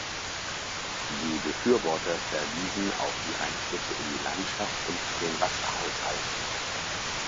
Die Befürworter verwiesen auf die Eingriffe in die Landschaft und den Wasserhaushalte.